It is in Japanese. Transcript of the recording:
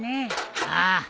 ああ。